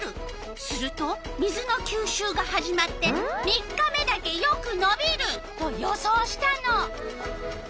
すると水のきゅうしゅうが始まって３日目だけよくのびると予想したの。